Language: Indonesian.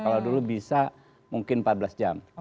kalau dulu bisa mungkin empat belas jam